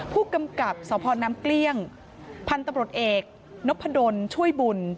ผู้กำกับสพน้ำเกลี้ยงพันธุ์ตำรวจเอกนพดลช่วยบุญ